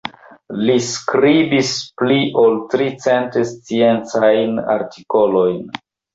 Li skribis pli ol tricent sciencajn artikolojn.